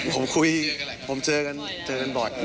โอ้โหยผมคุยผมเจอกันบ่อย